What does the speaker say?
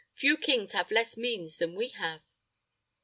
Few kings have less means than we have."